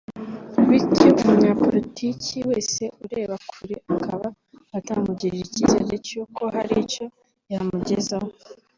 bityo umunyapolitiki wese ureba kure akaba atamugirira icyizere cy’uko hari icyo yamugezaho